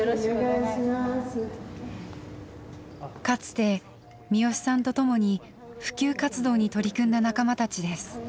かつて視良さんと共に普及活動に取り組んだ仲間たちです。